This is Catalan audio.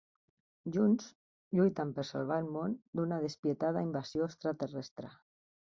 Junts, lluiten per salvar el món d'una despietada invasió extraterrestre.